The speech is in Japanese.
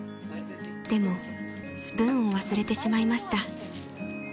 ［でもスプーンを忘れてしまいました］